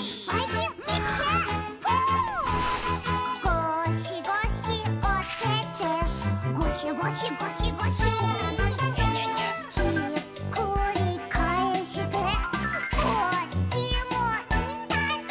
「ゴシゴシおててゴシゴシゴシゴシ」「ひっくりかえしてこっちもいたぞ！」